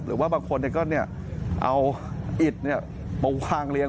หรือว่าบางคนก็เอาอิตโปรควางเลี้ยง